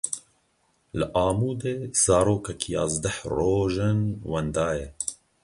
Li Amûdê zarokek yazdeh roj in wenda ye.